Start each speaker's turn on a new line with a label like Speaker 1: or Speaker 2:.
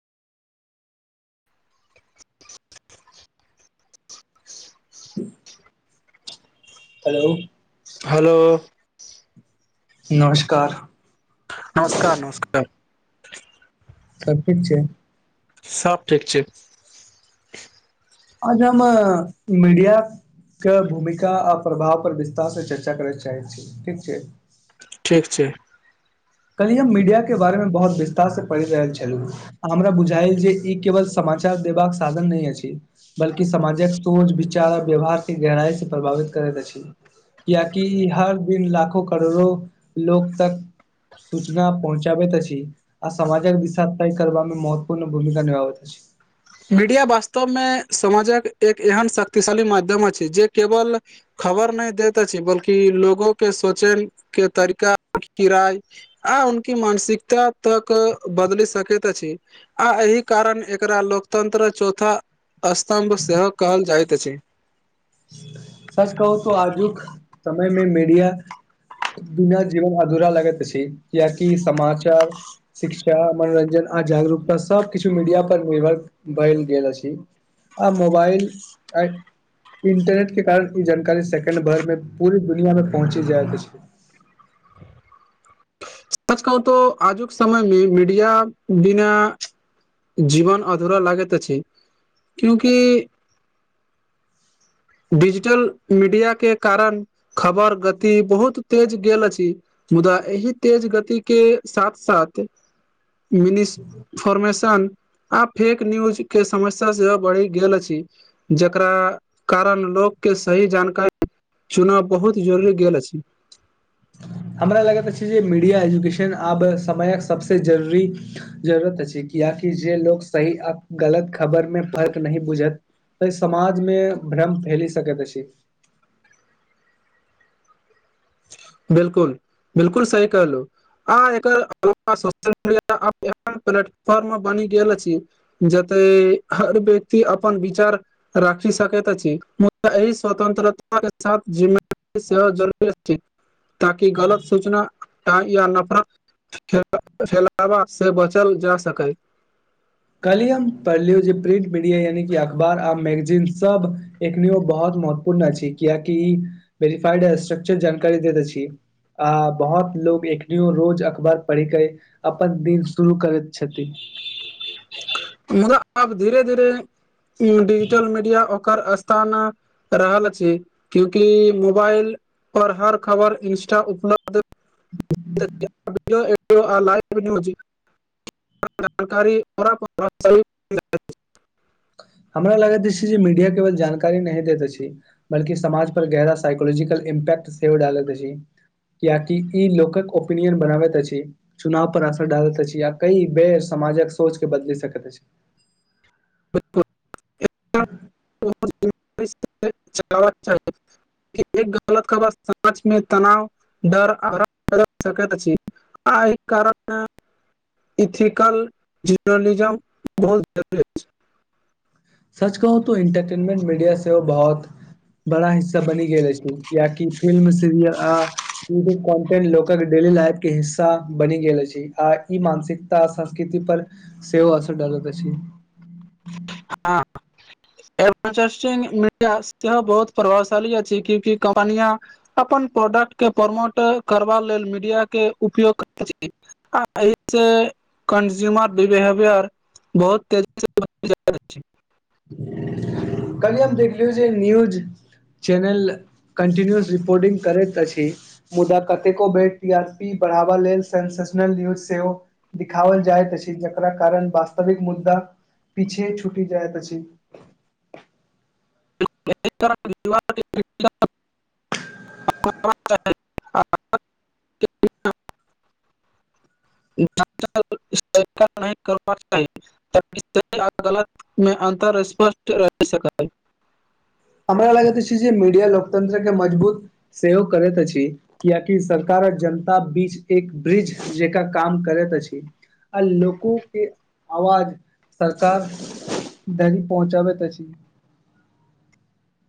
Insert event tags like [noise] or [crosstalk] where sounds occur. Speaker 1: hello
Speaker 2: hello
Speaker 1: नमस्कार
Speaker 2: नमस्कार नमस्कार
Speaker 1: सब ठीक छै
Speaker 2: सब ठीक छय
Speaker 1: अजम मिडिया के भूमिका आ प्रभाव पर विस्तार से चर्चा करय चाहैत छी ठीक छय
Speaker 2: ठीक छय
Speaker 1: कनि हम मीडियाके बारेमे बहुत विस्तारसँ पढ़ि रहल छलहुँ हमरा बुझाईल जे ई केवल समाचार देबाक साधन नय अछि बल्कि समाजक सोच विचार आ व्यवहार के गहराई से प्रभावित करैत अइछ कियकि हर दिन लाखो करोड़ो लो तक सूचना पहुँचाबैत अछि आ समाजक दिशा तैय करवामे महत्वपूर्ण भूमिका निभाबत अछि
Speaker 2: मीडिया वास्तवमें समाजक एक एहन शक्तिशाली माध्यम अछि जे केवल खबर नय देताे छी बल्कि लोगो के सोचे के तरीका किराय आ उनकी मानसिकता तक बदइल सकैत अछि आ एहि कारण एकरा लोकतन्त्र चौथा स्तम्भ सेहो कहल जाइत अछि
Speaker 1: सच कहू त आजुक समयमे मीडिया बिना जीवन अधूरा लागैत छ्य कियकि समाचार शिक्षा मनोरंजन आ जागरूकता सब किछ मीडिया पर निर्भर बल गेल अछि आ मोबाइल इंटर नेट के कारण ई जानकारी सेकेंड भर में पूरी दुनिया मे पहुँची जायइत अछि
Speaker 2: सच कहू तो आजुक समयमें मीडिया बिना जीवन अधूरा लागैत अछि क्यूंकि डिजिटल मीडिया के कारण खबर गति बहुत तेज गेल अछि मुदा एहि तेज गति के साथ साथ मिनिस्ट फॉर्मेशन आ फेक न्यूज के समस्या सेहो बइढ़ गेल अछि जकरा कारण लोकके सही जानकारी चुनब बहुत जरूरी गेल अछि
Speaker 1: हमरा लगैत अछि जे मीडिया एजुकेशन आब समयक सभसँ जरूरी जरूरत अछि कियकि जे लोग सही आ गलत खबर मे फर्क नहि बुझत तऽ समाज मे भ्रम फैल सैकाइत त छी
Speaker 2: बिल्कुल बिल्कुल सही कहलू आ एकर अलावा सोशल मीडिया एहन प्लेटफॉर्म में बनि गेल अछि जतय हर व्यक्ति अपन विचार राइख सकैत छी मुदा एहि स्वतन्त्रता के साथ जि सेहो जरूरी छय ताकि गलत सूचनाटा या नफरत खेलबा से बचल जा सकै
Speaker 1: कहली हम पढ़लियौ जे प्रिंट मीडिया यानि अखबार आ मैगजीन सब एखनी ओ बहुत महत्वपूर्ण अछि कियाकि ई वेरिफाइड स्ट्रक्चर जानकारी दैत अछि अ बहुत लोग एकनियो रोज अखबार पढ़ि कऽ अपन दिन शुरू करैत छथि
Speaker 2: मुदा आब धीरे धीरे डिजिटल मीडिया ओकर स्थान रहल छी क्यूकि मोबाइल पर हर खबर इंस्टा पर उपलब्ध [inaudible] [unintelligible]
Speaker 1: हमरा लगैत अछि जे मीडिया केवल जानकारी नहि दैत अछि बल्कि समाज पर गहरा साइकोलॉजिकल इम्पैट सेहो डालत अछि कियाकि ई लोकक ओपिनियन बनाबैत अछि चुनाव पर असर डालैत अछि या कई बेर समाजक सोच के बदलि सकैत अछि
Speaker 2: च चाही [unintelligible] एक गलत खबर समाजमे तनाव दर आराम कर सकैत अछि आ कारण इथिकल जर्नलिज्म बहुत जरूरी छै
Speaker 1: सच कहूँ इंटरटेनमेंट मीडिया से बहुत बड़ा हिस्सा बनि गेले छै किया की फिल्म सीरियल आ युटुब कन्टेंट लोक के डेली लाइफ के हिस्सा बनि गेल छै आ ई मानसिक तऽ संस्कृति पर सेहो असर डालत अछि
Speaker 2: हँ ए मीडिया सेहो बहुत प्रभावशाली अछि क्योंकी कम्पनिया अपन प्रोडक्ट के प्रमोट करबा लेल मीडिया के उपयोग करैत आ एसँ कन्जयूमर बिहेवियर बहुत तेजी से [inaudible]
Speaker 1: कल्हि हम देखलियौ जे न्यूज चैनल कन्टिन्यूस रिपोर्टिंग करैत अछि मुदा कतेको बेर टी आर पी बढ़ावा लेल सेसनल न्यूज सेहो दिखाओल जाइत अछि जकरा कारण वास्तविक मुद्दा पीछे छूटि जाइत अछि
Speaker 2: [unintelligible]
Speaker 1: [inaudible]
Speaker 2: कार नहि कर [unintelligible] ताकि गलत मे अन्तर स्पष्ट रह सैकल
Speaker 1: हमरा लागैत अछि जे मीडिया लोकतंत्र के मजबूत सेहो करैत अछि किया कि सरकार आ जनता बीच एक ब्रिज जेका काम करैत अछि आ लोको के आवाज सरकार [unintelligible] देरी पहुँचाबैत अछि